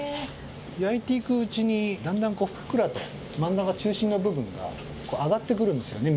焼いていくうちに段々こうふっくらと真ん中中心の部分がこう上がってくるんですよね